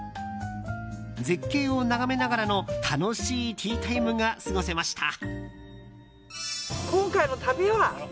絶景を眺めながらの楽しいティータイムが過ごせました。